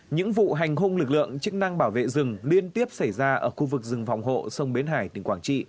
những vụ hành hung lực lượng chức năng bảo vệ rừng liên tiếp xảy ra ở khu vực rừng phòng hộ sông bến hải tỉnh quảng trị